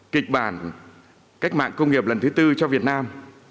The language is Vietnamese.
kịch bản cách mạng công nghiệp lần thứ tư cho việt nam